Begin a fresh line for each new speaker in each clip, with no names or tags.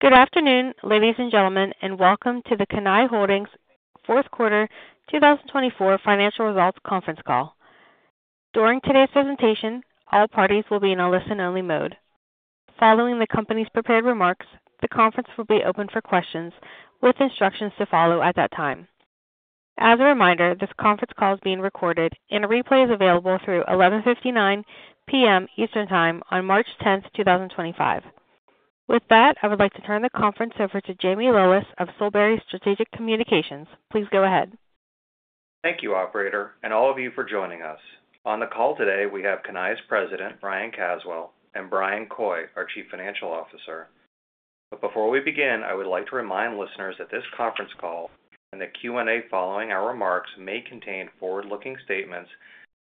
Good afternoon, ladies and gentlemen, and welcome to the Cannae Holdings fourth quarter 2024 financial results conference call. During today's presentation, all parties will be in a listen-only mode. Following the company's prepared remarks, the conference will be open for questions with instructions to follow at that time. As a reminder, this conference call is being recorded, and a replay is available through 11:59 P.M. Eastern Time on March 10th, 2025. With that, I would like to turn the conference over to Jamie Lillis of Solebury Strategic Communications. Please go ahead.
Thank you, Operator, and all of you for joining us. On the call today, we have Cannae's President, Ryan Caswell, and Bryan Coy, our Chief Financial Officer. But before we begin, I would like to remind listeners that this conference call and the Q&A following our remarks may contain forward-looking statements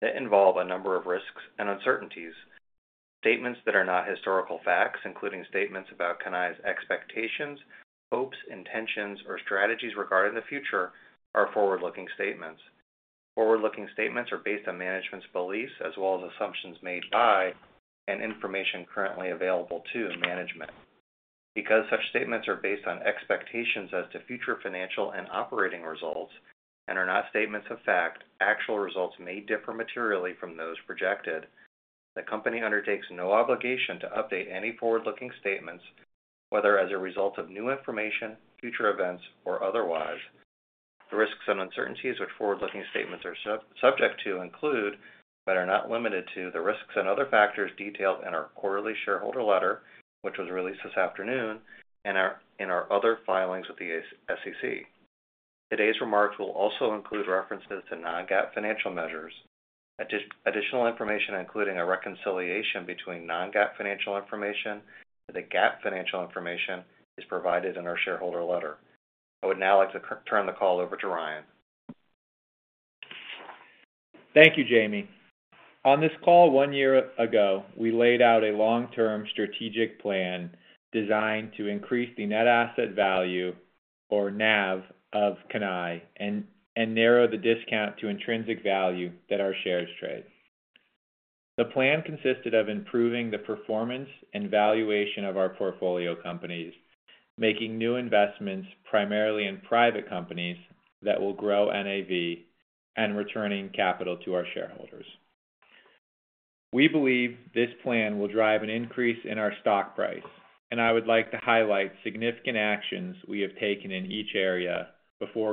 that involve a number of risks and uncertainties. Statements that are not historical facts, including statements about Cannae's expectations, hopes, intentions, or strategies regarding the future, are forward-looking statements. Forward-looking statements are based on management's beliefs as well as assumptions made by and information currently available to management. Because such statements are based on expectations as to future financial and operating results and are not statements of fact, actual results may differ materially from those projected. The company undertakes no obligation to update any forward-looking statements, whether as a result of new information, future events, or otherwise. The risks and uncertainties which forward-looking statements are subject to include, but are not limited to, the risks and other factors detailed in our quarterly shareholder letter, which was released this afternoon, and in our other filings with the SEC. Today's remarks will also include references to non-GAAP financial measures, additional information including a reconciliation between non-GAAP financial information and the GAAP financial information provided in our shareholder letter. I would now like to turn the call over to Ryan.
Thank you, Jamie. On this call one year ago, we laid out a long-term strategic plan designed to increase the net asset value, or NAV, of Cannae and narrow the discount to intrinsic value that our shares trade. The plan consisted of improving the performance and valuation of our portfolio companies, making new investments primarily in private companies that will grow NAV and returning capital to our shareholders. We believe this plan will drive an increase in our stock price, and I would like to highlight significant actions we have taken in each area before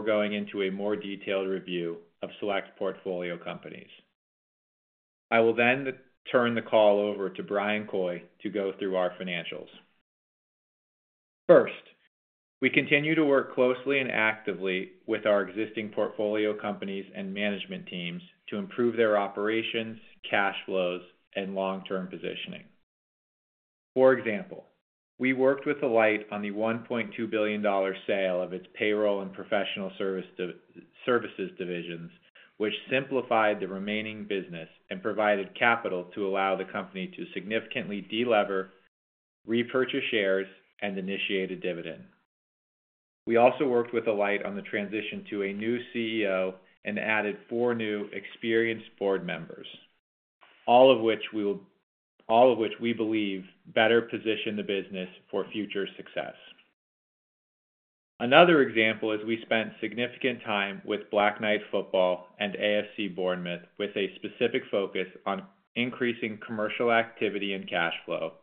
going into a more detailed review of select portfolio companies. I will then turn the call over to Bryan Coy to go through our financials. First, we continue to work closely and actively with our existing portfolio companies and management teams to improve their operations, cash flows, and long-term positioning. For example, we worked with Alight on the $1.2 billion sale of its payroll and professional services divisions, which simplified the remaining business and provided capital to allow the company to significantly delever, repurchase shares, and initiate a dividend. We also worked with Alight on the transition to a new CEO and added four new experienced board members, all of which we believe better position the business for future success. Another example is we spent significant time with Black Knight Football and AFC Bournemouth with a specific focus on increasing commercial activity and cash flow,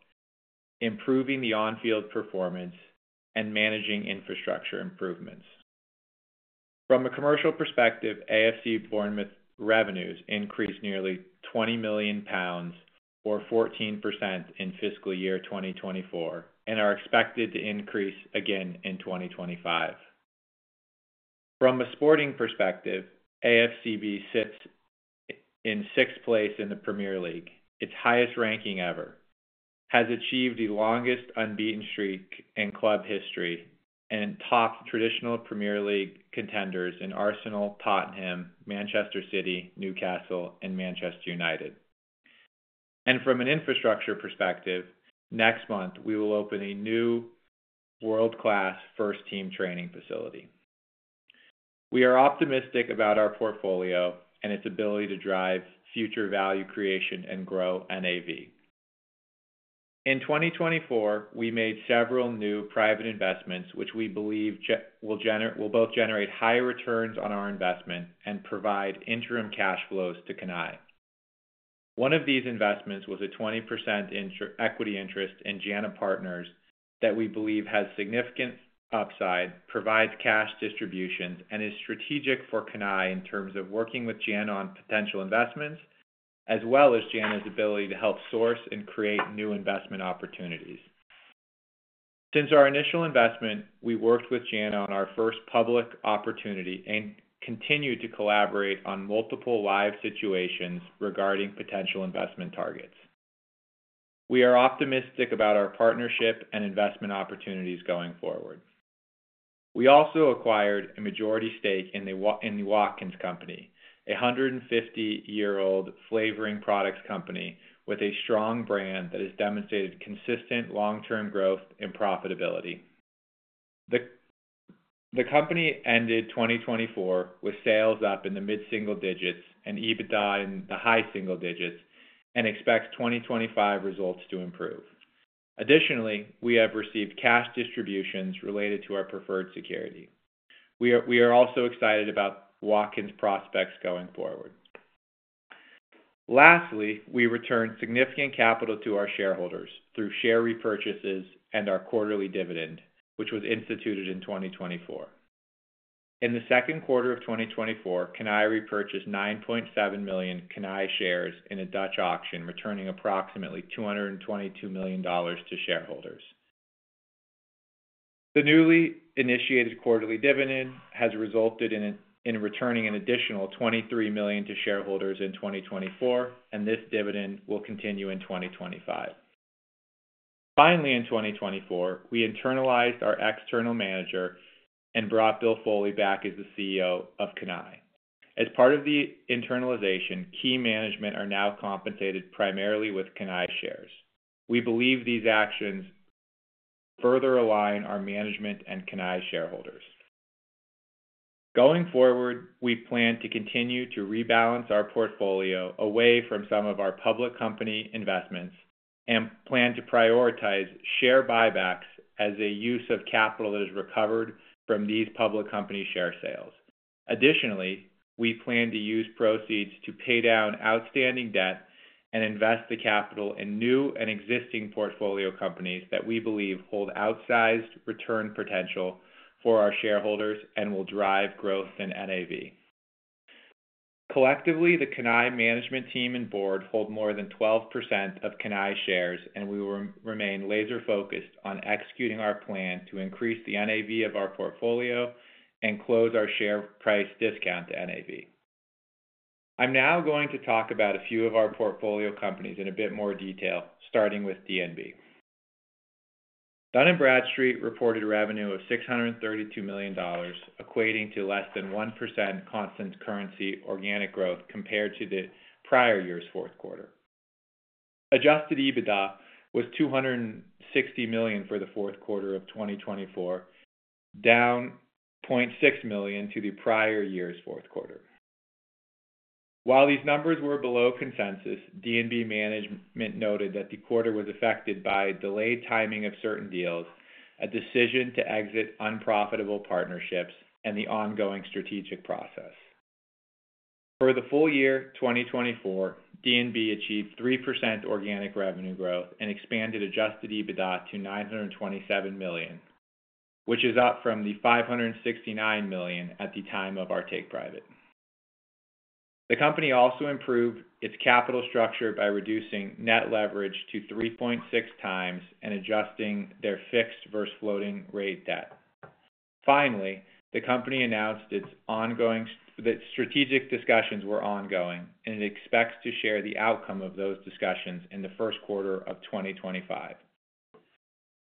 improving the on-field performance, and managing infrastructure improvements. From a commercial perspective, AFC Bournemouth revenues increased nearly 20 million pounds, or 14%, in fiscal year 2024 and are expected to increase again in 2025. From a sporting perspective, AFCB sits in sixth place in the Premier League, its highest ranking ever, has achieved the longest unbeaten streak in club history, and tops traditional Premier League contenders in Arsenal, Tottenham, Manchester City, Newcastle, and Manchester United. And from an infrastructure perspective, next month we will open a new world-class first-team training facility. We are optimistic about our portfolio and its ability to drive future value creation and grow NAV. In 2024, we made several new private investments which we believe will both generate high returns on our investment and provide interim cash flows to Cannae. One of these investments was a 20% equity interest in JANA Partners that we believe has significant upside, provides cash distributions, and is strategic for Cannae in terms of working with JANA on potential investments as well as JANA's ability to help source and create new investment opportunities. Since our initial investment, we worked with JANA on our first public opportunity and continue to collaborate on multiple live situations regarding potential investment targets. We are optimistic about our partnership and investment opportunities going forward. We also acquired a majority stake in the Watkins Company, a 150-year-old flavoring products company with a strong brand that has demonstrated consistent long-term growth and profitability. The company ended 2024 with sales up in the mid-single digits and EBITDA in the high single digits and expects 2025 results to improve. Additionally, we have received cash distributions related to our preferred security. We are also excited about Watkins prospects going forward. Lastly, we returned significant capital to our shareholders through share repurchases and our quarterly dividend, which was instituted in 2024. In the second quarter of 2024, Cannae repurchased 9.7 million Cannae shares in a Dutch auction, returning approximately $222 million to shareholders. The newly initiated quarterly dividend has resulted in returning an additional $23 million to shareholders in 2024, and this dividend will continue in 2025. Finally, in 2024, we internalized our external manager and brought Bill Foley back as the CEO of Cannae. As part of the internalization, key management are now compensated primarily with Cannae shares. We believe these actions further align our management and Cannae shareholders. Going forward, we plan to continue to rebalance our portfolio away from some of our public company investments and plan to prioritize share buybacks as a use of capital that is recovered from these public company share sales. Additionally, we plan to use proceeds to pay down outstanding debt and invest the capital in new and existing portfolio companies that we believe hold outsized return potential for our shareholders and will drive growth in NAV. Collectively, the Cannae Management Team and Board hold more than 12% of Cannae shares, and we will remain laser-focused on executing our plan to increase the NAV of our portfolio and close our share price discount to NAV. I'm now going to talk about a few of our portfolio companies in a bit more detail, starting with D&B. Dun & Bradstreet reported revenue of $632 million, equating to less than 1% constant currency organic growth compared to the prior year's fourth quarter. Adjusted EBITDA was $260 million for the fourth quarter of 2024, down $0.6 million from the prior year's fourth quarter. While these numbers were below consensus, D&B management noted that the quarter was affected by delayed timing of certain deals, a decision to exit unprofitable partnerships, and the ongoing strategic process. For the full year 2024, D&B achieved 3% organic revenue growth and expanded adjusted EBITDA to $927 million, which is up from the $569 million at the time of our take private. The company also improved its capital structure by reducing net leverage to 3.6x and adjusting their fixed versus floating rate debt. Finally, the company announced its strategic discussions were ongoing, and it expects to share the outcome of those discussions in the first quarter of 2025.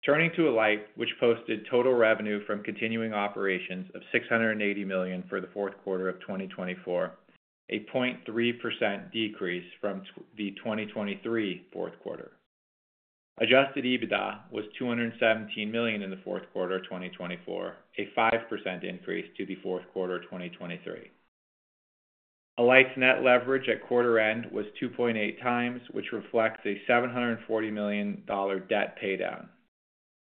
Turning to Alight, which posted total revenue from continuing operations of $680 million for the fourth quarter of 2024, a 0.3% decrease from the 2023 fourth quarter. Adjusted EBITDA was $217 million in the fourth quarter of 2024, a 5% increase to the fourth quarter of 2023. Alight's net leverage at quarter end was 2.8x, which reflects a $740 million debt paydown.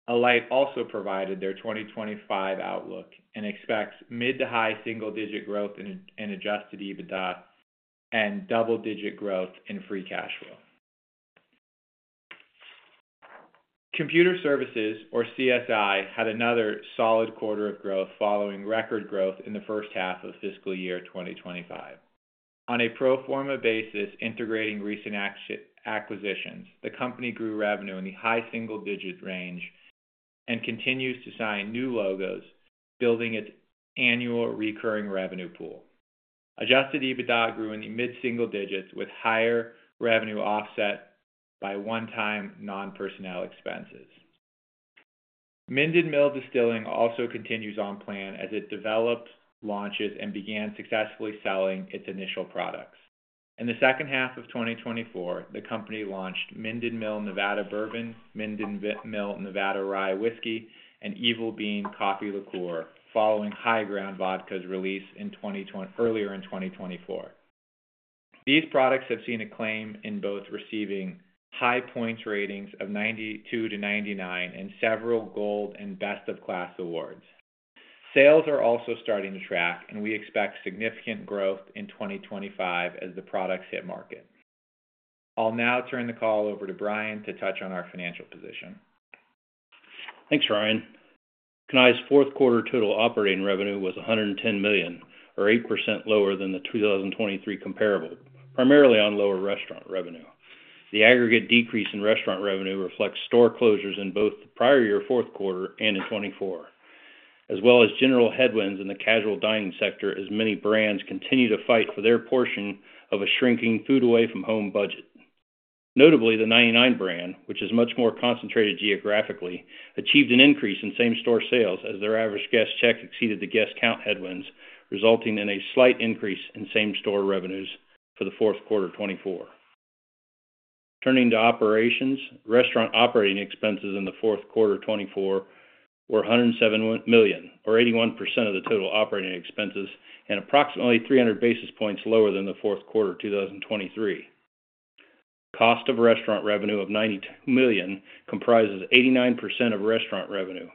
Alight also provided their 2025 outlook and expects mid- to high single-digit growth in adjusted EBITDA and double-digit growth in free cash flow. Computer Services, or CSI, had another solid quarter of growth following record growth in the first half of fiscal year 2025. On a pro forma basis, integrating recent acquisitions, the company grew revenue in the high single-digit range and continues to sign new logos, building its annual recurring revenue pool. Adjusted EBITDA grew in the mid-single digits with higher revenue offset by one-time non-personnel expenses. Minden Mill Distilling also continues on plan as it developed, launches, and began successfully selling its initial products. In the second half of 2024, the company launched Minden Mill Nevada Bourbon, Minden Mill Nevada Rye Whiskey, and Evil Bean Coffee Liqueur following High Ground Vodka's release earlier in 2024. These products have seen acclaim in both receiving high points ratings of 92-99 and several gold and best-of-class awards. Sales are also starting to track, and we expect significant growth in 2025 as the products hit market. I'll now turn the call over to Bryan to touch on our financial position.
Thanks, Ryan. Cannae's fourth quarter total operating revenue was $110 million, or 8% lower than the 2023 comparable, primarily on lower restaurant revenue. The aggregate decrease in restaurant revenue reflects store closures in both the prior year fourth quarter and in 2024, as well as general headwinds in the casual dining sector as many brands continue to fight for their portion of a shrinking food-away-from-home budget. Notably, the Ninety Nine brand, which is much more concentrated geographically, achieved an increase in same-store sales as their average guest check exceeded the guest count headwinds, resulting in a slight increase in same-store revenues for the fourth quarter 2024. Turning to operations, restaurant operating expenses in the fourth quarter 2024 were $107 million, or 81% of the total operating expenses, and approximately 300 basis points lower than the fourth quarter 2023. The cost of restaurant revenue of $92 million comprises 89% of restaurant revenue,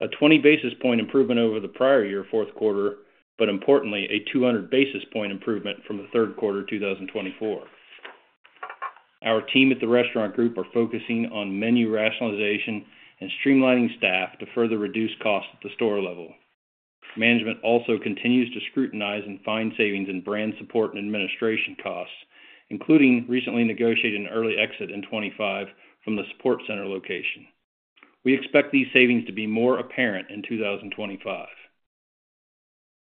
a 20 basis point improvement over the prior year fourth quarter, but importantly, a 200 basis point improvement from the third quarter 2024. Our team at the restaurant group are focusing on menu rationalization and streamlining staff to further reduce costs at the store level. Management also continues to scrutinize and find savings in brand support and administration costs, including recently negotiated an early exit in 2025 from the support center location. We expect these savings to be more apparent in 2025.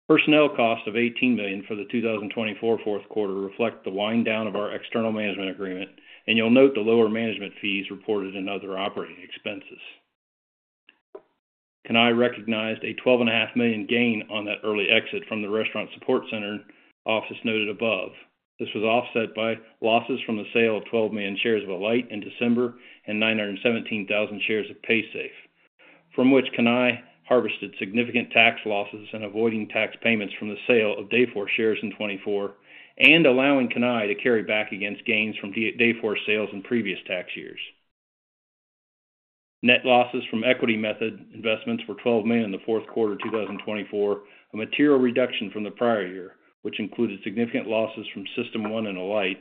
Personnel costs of $18 million for the 2024 fourth quarter reflect the wind down of our external management agreement, and you'll note the lower management fees reported in other operating expenses. Cannae recognized a $12.5 million gain on that early exit from the restaurant support center office noted above. This was offset by losses from the sale of 12 million shares of Alight in December and 917,000 shares of Paysafe, from which Cannae harvested significant tax losses in avoiding tax payments from the sale of Dayforce shares in 2024 and allowing Cannae to carry back against gains from Dayforce sales in previous tax years. Net losses from equity method investments were $12 million in the fourth quarter 2024, a material reduction from the prior year, which included significant losses from System1 and Alight,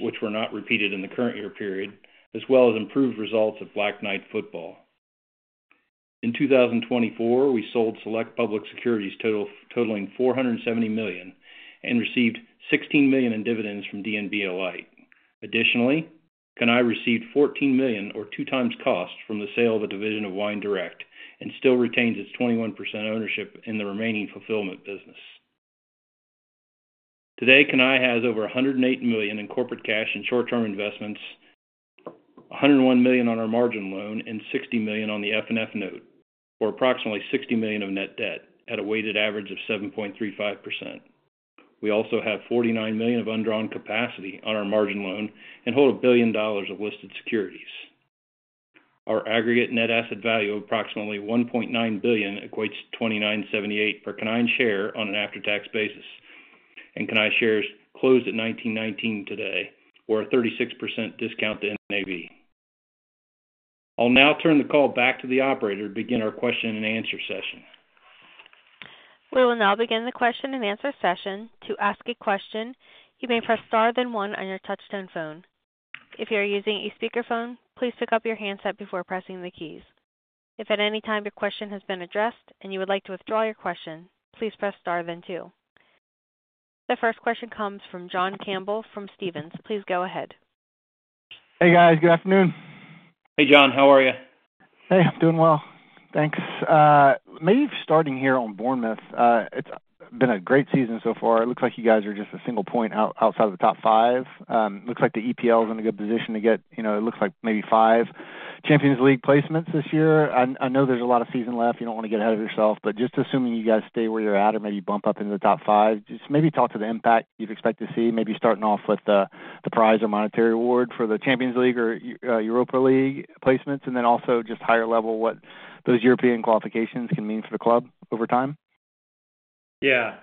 which were not repeated in the current year period, as well as improved results of Black Knight Football. In 2024, we sold Select Public Securities totaling $470 million and received $16 million in dividends from D&B, Alight. Additionally, Cannae received $14 million, or two times cost, from the sale of a division of WineDirect and still retains its 21% ownership in the remaining fulfillment business. Today, Cannae has over $108 million in corporate cash and short-term investments, $101 million on our margin loan, and $60 million on the FNF note, or approximately $60 million of net debt at a weighted average of 7.35%. We also have $49 million of undrawn capacity on our margin loan and hold $1 billion of listed securities. Our aggregate net asset value of approximately $1.9 billion equates to $2,978 per Cannae share on an after-tax basis, and Cannae shares closed at $19.19 today, or a 36% discount to NAV. I'll now turn the call back to the operator to begin our question-and-answer session.
We will now begin the question-and-answer session. To ask a question, you may press star then one on your touch-tone phone. If you're using a speakerphone, please pick up your handset before pressing the keys. If at any time your question has been addressed and you would like to withdraw your question, please press star then two. The first question comes from John Campbell from Stephens. Please go ahead.
Hey, guys. Good afternoon.
Hey, John. How are you?
Hey, I'm doing well. Thanks. Maybe starting here on Bournemouth, it's been a great season so far. It looks like you guys are just a single point outside of the top five. Looks like the EPL is in a good position to get. It looks like maybe five Champions League placements this year. I know there's a lot of season left. You don't want to get ahead of yourself, but just assuming you guys stay where you're at or maybe bump up into the top five, just maybe talk to the impact you expect to see, maybe starting off with the prize or monetary award for the Champions League or Europa League placements, and then also just higher level what those European qualifications can mean for the club over time.
Yeah.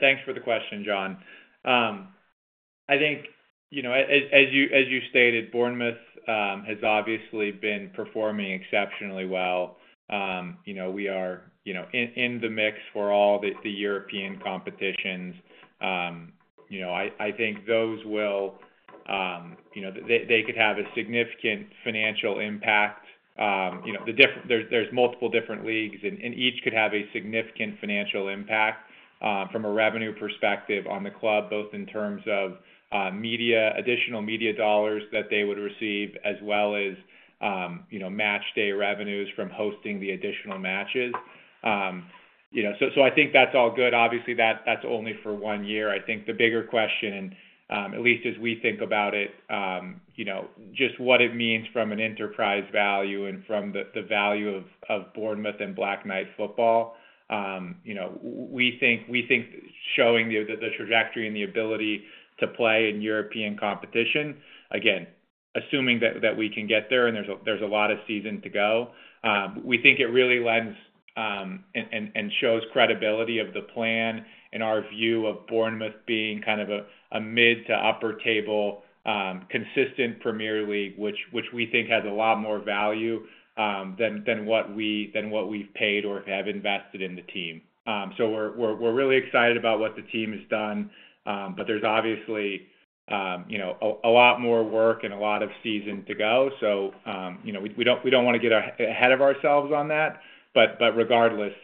Thanks for the question, John. I think, as you stated, Bournemouth has obviously been performing exceptionally well. We are in the mix for all the European competitions. I think those will, they could have a significant financial impact. There's multiple different leagues, and each could have a significant financial impact from a revenue perspective on the club, both in terms of additional media dollars that they would receive as well as match day revenues from hosting the additional matches. So I think that's all good. Obviously, that's only for one year. I think the bigger question, at least as we think about it, just what it means from an enterprise value and from the value of Bournemouth and Black Knight Football. We think showing the trajectory and the ability to play in European competition, again, assuming that we can get there and there's a lot of season to go, we think it really lends and shows credibility of the plan and our view of Bournemouth being kind of a mid to upper table consistent Premier League, which we think has a lot more value than what we've paid or have invested in the team. So we're really excited about what the team has done, but there's obviously a lot more work and a lot of season to go. So we don't want to get ahead of ourselves on that, but regardless,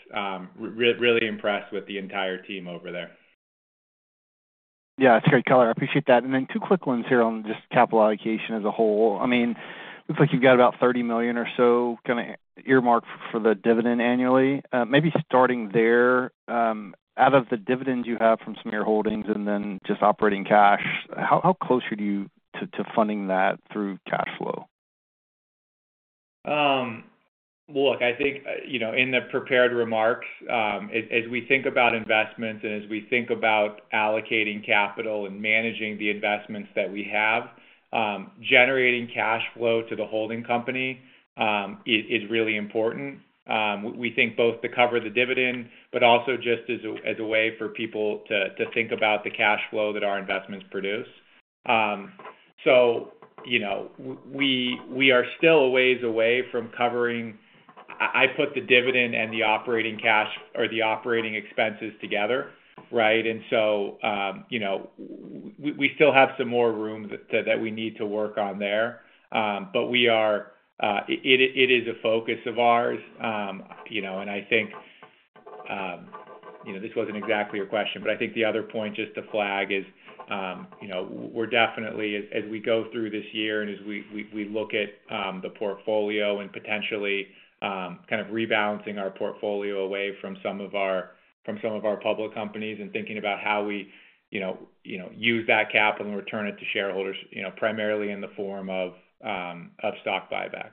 really impressed with the entire team over there.
Yeah. It's great color. I appreciate that. And then two quick ones here on just capital allocation as a whole. I mean, looks like you've got about $30 million or so kind of earmarked for the dividend annually. Maybe starting there, out of the dividends you have from some of your holdings and then just operating cash, how closer are you to funding that through cash flow?
Look, I think in the prepared remarks, as we think about investments and as we think about allocating capital and managing the investments that we have, generating cash flow to the holding company is really important. We think both to cover the dividend, but also just as a way for people to think about the cash flow that our investments produce, so we are still a ways away from covering. I put the dividend and the operating cash or the operating expenses together, right, and so we still have some more room that we need to work on there, but it is a focus of ours. I think this wasn't exactly your question, but I think the other point just to flag is we're definitely, as we go through this year and as we look at the portfolio and potentially kind of rebalancing our portfolio away from some of our public companies and thinking about how we use that capital and return it to shareholders, primarily in the form of stock buybacks.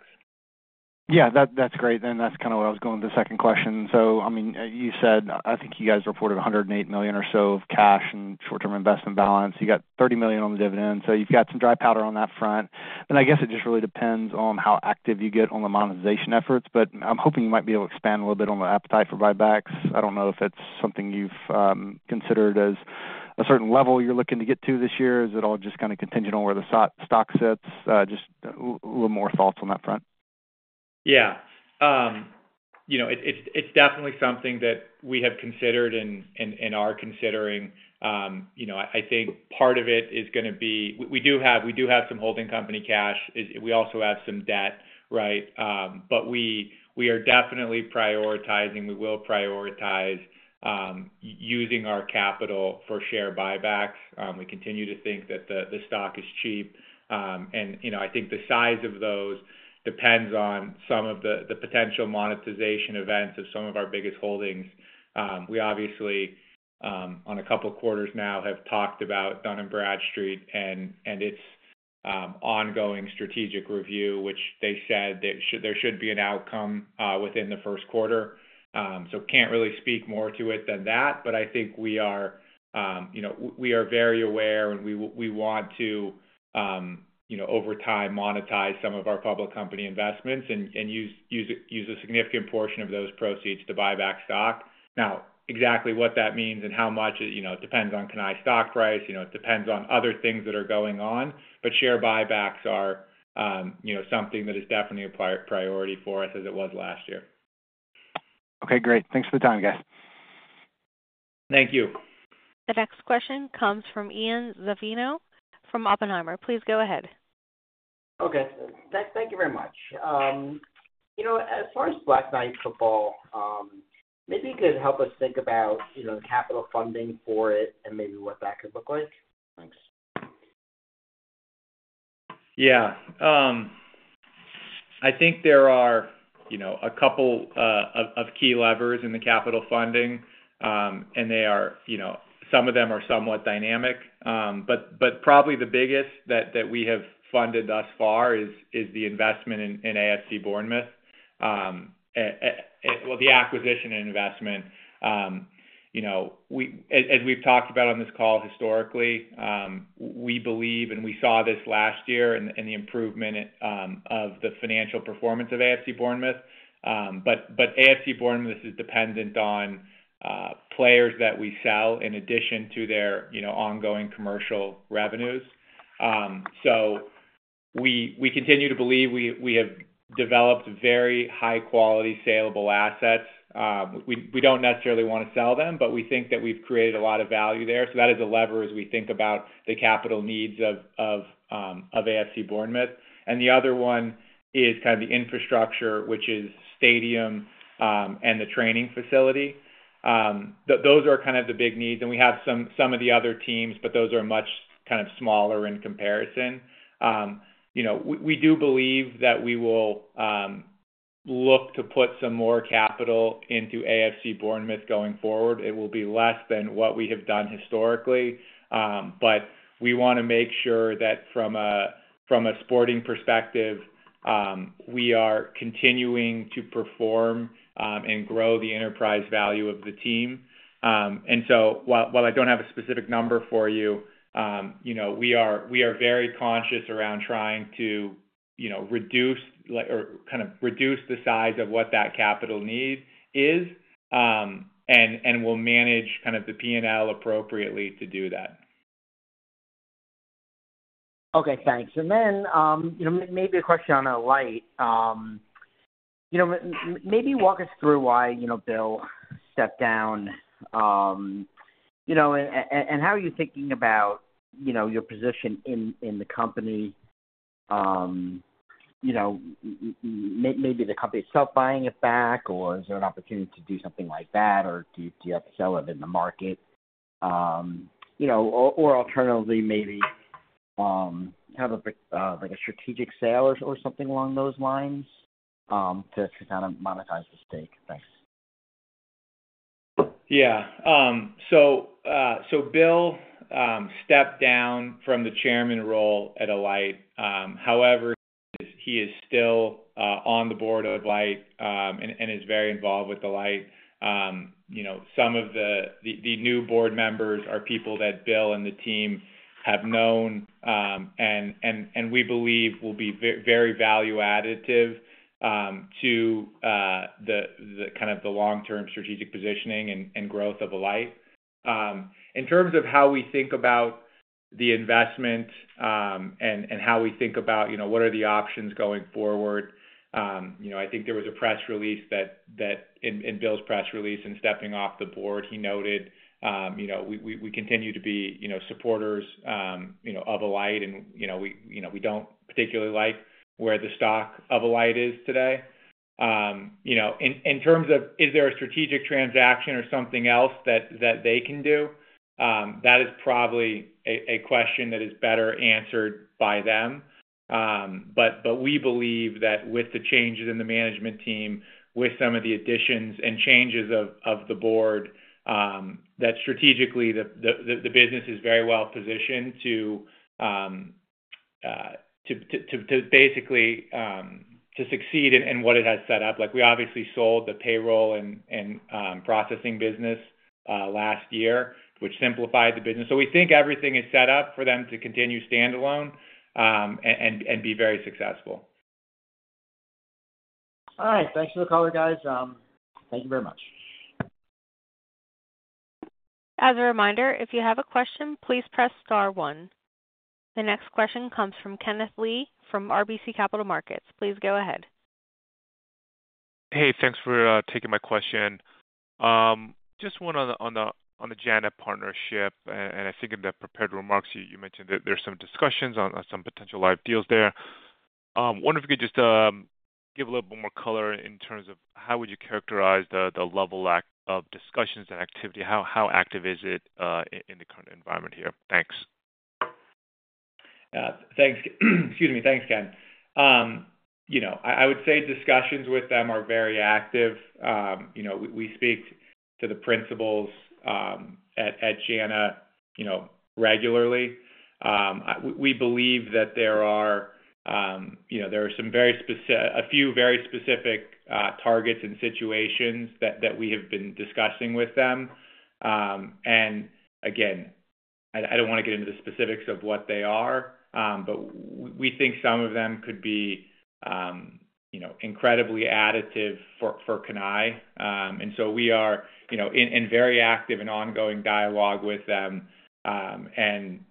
Yeah. That's great. And that's kind of where I was going with the second question. So I mean, you said I think you guys reported $108 million or so of cash and short-term investment balance. You got $30 million on the dividend. So you've got some dry powder on that front. And I guess it just really depends on how active you get on the monetization efforts, but I'm hoping you might be able to expand a little bit on the appetite for buybacks. I don't know if it's something you've considered as a certain level you're looking to get to this year. Is it all just kind of contingent on where the stock sits? Just a little more thoughts on that front.
Yeah. It's definitely something that we have considered and are considering. I think part of it is going to be we do have some holding company cash. We also have some debt, right? But we are definitely prioritizing. We will prioritize using our capital for share buybacks. We continue to think that the stock is cheap. And I think the size of those depends on some of the potential monetization events of some of our biggest holdings. We obviously, on a couple of quarters now, have talked about Dun & Bradstreet and its ongoing strategic review, which they said there should be an outcome within the first quarter. So can't really speak more to it than that, but I think we are very aware and we want to, over time, monetize some of our public company investments and use a significant portion of those proceeds to buy back stock. Now, exactly what that means and how much, it depends on Cannae stock price. It depends on other things that are going on, but share buybacks are something that is definitely a priority for us as it was last year.
Okay. Great. Thanks for the time, guys.
Thank you.
The next question comes from Ian Zaffino from Oppenheimer. Please go ahead.
Okay. Thank you very much. As far as Black Knight Football, maybe you could help us think about capital funding for it and maybe what that could look like. Thanks.
Yeah. I think there are a couple of key levers in the capital funding, and some of them are somewhat dynamic, but probably the biggest that we have funded thus far is the investment in AFC Bournemouth, well, the acquisition and investment. As we've talked about on this call, historically, we believe, and we saw this last year and the improvement of the financial performance of AFC Bournemouth, but AFC Bournemouth is dependent on players that we sell in addition to their ongoing commercial revenues. So we continue to believe we have developed very high-quality saleable assets. We don't necessarily want to sell them, but we think that we've created a lot of value there. So that is a lever as we think about the capital needs of AFC Bournemouth. And the other one is kind of the infrastructure, which is stadium and the training facility. Those are kind of the big needs, and we have some of the other teams, but those are much kind of smaller in comparison. We do believe that we will look to put some more capital into AFC Bournemouth going forward. It will be less than what we have done historically, but we want to make sure that from a sporting perspective, we are continuing to perform and grow the enterprise value of the team, and so while I don't have a specific number for you, we are very conscious around trying to kind of reduce the size of what that capital need is and will manage kind of the P&L appropriately to do that.
Okay. Thanks. And then maybe a question on Alight. Maybe walk us through why Bill stepped down and how are you thinking about your position in the company? Maybe the company itself buying it back, or is there an opportunity to do something like that, or do you have to sell it in the market? Or alternatively, maybe have a strategic sale or something along those lines to kind of monetize the stake. Thanks.
Yeah. So Bill stepped down from the chairman role at Alight. However, he is still on the board of Alight and is very involved with Alight. Some of the new board members are people that Bill and the team have known and we believe will be very value-additive to kind of the long-term strategic positioning and growth of Alight. In terms of how we think about the investment and how we think about what are the options going forward, I think there was a press release that in Bill's press release and stepping off the board, he noted, "We continue to be supporters of Alight, and we don't particularly like where the stock of Alight is today." In terms of, is there a strategic transaction or something else that they can do, that is probably a question that is better answered by them. But we believe that with the changes in the management team, with some of the additions and changes of the board, that strategically, the business is very well positioned to basically succeed in what it has set up. We obviously sold the payroll and processing business last year, which simplified the business. So we think everything is set up for them to continue standalone and be very successful.
All right. Thanks for the call, guys. Thank you very much.
As a reminder, if you have a question, please press Star one. The next question comes from Kenneth Lee from RBC Capital Markets. Please go ahead.
Hey, thanks for taking my question. Just one on the JANA Partners partnership, and I think in the prepared remarks, you mentioned that there's some discussions on some potential live deals there. Wonder if you could just give a little bit more color in terms of how would you characterize the level of discussions and activity? How active is it in the current environment here? Thanks.
Excuse me. Thanks, Ken. I would say discussions with them are very active. We speak to the principals at JANA regularly. We believe that there are some very specific, a few very specific targets and situations that we have been discussing with them. And again, I don't want to get into the specifics of what they are, but we think some of them could be incredibly additive for Cannae. And so we are in very active and ongoing dialogue with them. And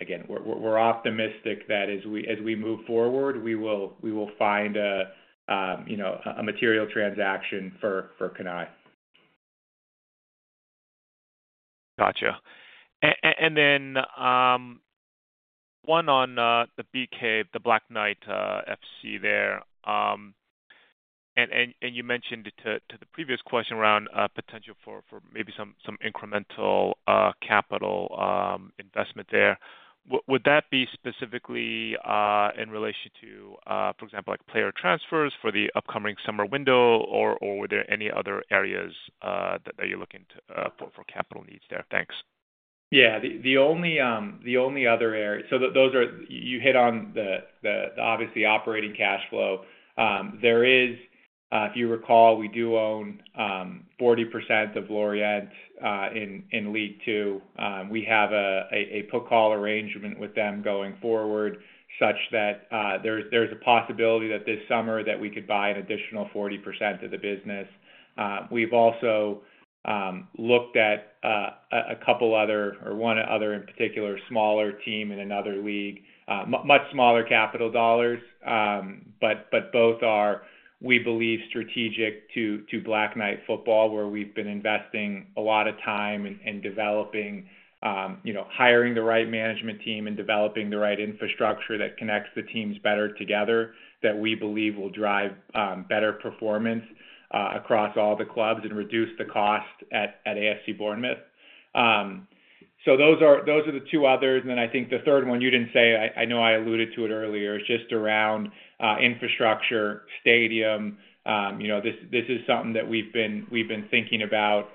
again, we're optimistic that as we move forward, we will find a material transaction for Cannae.
Gotcha. And then one on the BK, the Black Knight FC there. And you mentioned to the previous question around potential for maybe some incremental capital investment there. Would that be specifically in relation to, for example, player transfers for the upcoming summer window, or were there any other areas that you're looking for capital needs there? Thanks.
Yeah. The only other area so you hit on the, obviously, operating cash flow. There is, if you recall, we do own 40% of Lorient in Ligue 2. We have a put-call arrangement with them going forward such that there's a possibility that this summer that we could buy an additional 40% of the business. We've also looked at a couple other or one other, in particular, smaller team in another league, much smaller capital dollars, but both are, we believe, strategic to Black Knight Football, where we've been investing a lot of time in developing, hiring the right management team, and developing the right infrastructure that connects the teams better together that we believe will drive better performance across all the clubs and reduce the cost at AFC Bournemouth. So those are the two others. And then I think the third one, you didn't say. I know I alluded to it earlier, is just around infrastructure, stadium. This is something that we've been thinking about,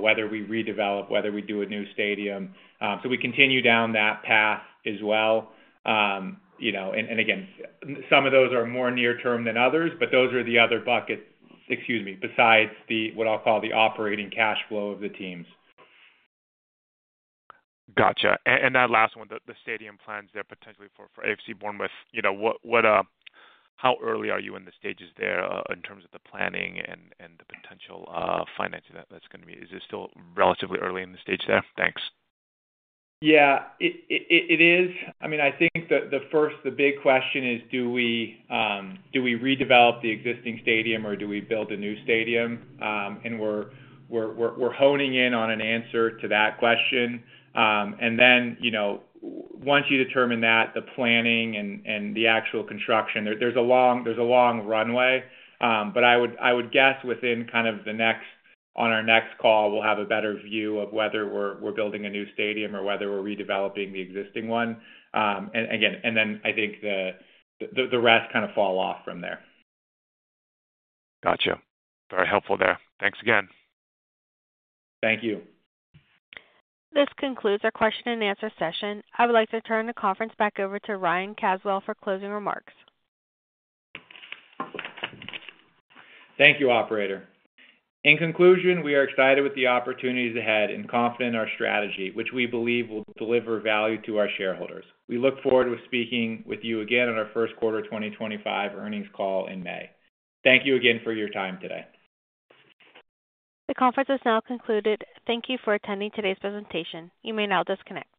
whether we redevelop, whether we do a new stadium. So we continue down that path as well. And again, some of those are more near-term than others, but those are the other buckets, excuse me, besides what I'll call the operating cash flow of the teams.
Gotcha. And that last one, the stadium plans there potentially for AFC Bournemouth, how early are you in the stages there in terms of the planning and the potential financing that's going to be? Is it still relatively early in the stage there? Thanks.
Yeah, it is. I mean, I think the big question is, do we redevelop the existing stadium or do we build a new stadium? And we're honing in on an answer to that question. And then once you determine that, the planning and the actual construction, there's a long runway. But I would guess on our next call, we'll have a better view of whether we're building a new stadium or whether we're redeveloping the existing one. And again, then I think the rest kind of fall off from there.
Gotcha. Very helpful there. Thanks again.
Thank you.
This concludes our question-and-answer session. I would like to turn the conference back over to Ryan Caswell for closing remarks.
Thank you, Operator. In conclusion, we are excited with the opportunities ahead and confident in our strategy, which we believe will deliver value to our shareholders. We look forward to speaking with you again on our first quarter 2025 earnings call in May. Thank you again for your time today.
The conference is now concluded. Thank you for attending today's presentation. You may now disconnect.